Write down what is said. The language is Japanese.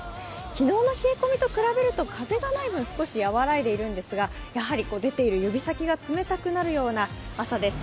昨日の冷え込みと比べると風がない分、少しやわらいでいるんですが、やはり出ている指先が冷たくなるような朝です。